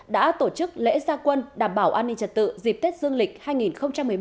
đã tổ chức lễ gia quân đảm bảo an ninh trật tự dịp tết dương lịch hai nghìn một mươi bốn